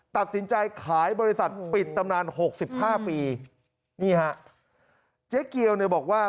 ตัดสินใจขายบริษัทปิดตำนานหกสิบห้าปีนี่ฮะเจ๊เกียวเนี่ยบอกว่า